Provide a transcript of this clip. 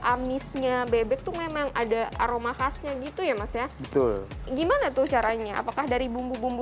amisnya bebek tuh memang ada aroma khasnya gitu ya mas ya betul gimana tuh caranya apakah dari bumbu bumbu